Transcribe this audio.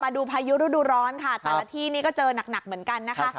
ดูพายุฤดูร้อนค่ะแต่ละที่นี่ก็เจอหนักเหมือนกันนะคะ